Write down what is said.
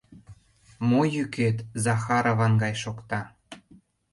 Мо йӱкет Захарован гай шокта?